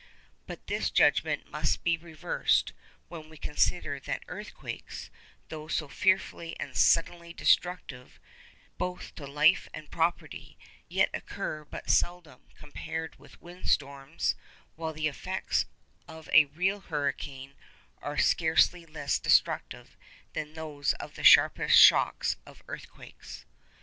But this judgment must be reversed when we consider that earthquakes—though so fearfully and suddenly destructive both to life and property—yet occur but seldom compared with wind storms, while the effects of a real hurricane are scarcely less destructive than those of the sharpest shocks of earthquakes.